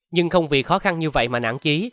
nhưng không vì khó khăn như vậy mà nản trí